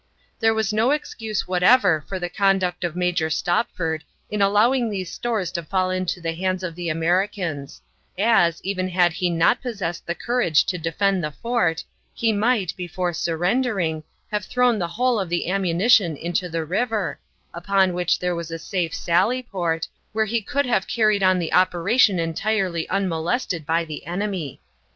There was no excuse whatever for the conduct of Major Stopford in allowing these stores to fall into the hands of the Americans; as, even had he not possessed the courage to defend the fort, he might, before surrendering, have thrown the whole of the ammunition into the river, upon which there was a safe sally port, where he could have carried on the operation entirely unmolested by the enemy.